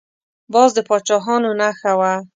باز د پاچاهانو نښه وه